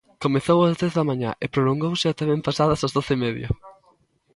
Comezou ás dez da mañá e prolongouse ata ben pasadas as doce e media.